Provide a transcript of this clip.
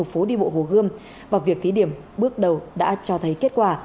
phố đi bộ hồ gươm và việc thí điểm bước đầu đã cho thấy kết quả